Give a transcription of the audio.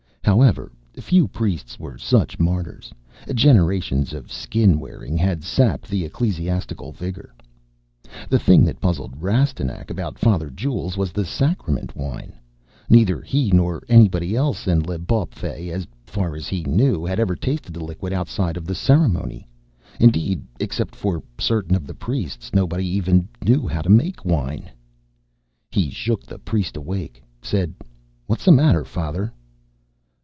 However, few priests were such martyrs. Generations of Skin wearing had sapped the ecclesiastical vigor. The thing that puzzled Rastignac about Father Jules was the sacrament wine. Neither he nor anybody else in L'Bawpfey, as far as he knew, had ever tasted the liquid outside of the ceremony. Indeed, except for certain of the priests, nobody even knew how to make wine. He shook the priest awake, said, "What's the matter, Father?"